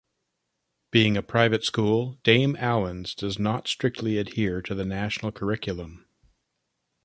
Being a private school, Dame Allan's does not strictly adhere to the National Curriculum.